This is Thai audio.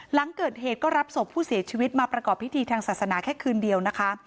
หลังเกิดเหตุก็รับศพผู้เสียชีวิตมาประกอบพิธีทางศาสนาแค่คืนเดียวนะคะ